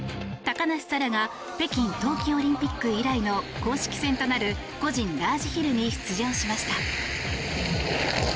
高梨沙羅が北京冬季オリンピック以来の公式戦となる個人ラージヒルに出場しました。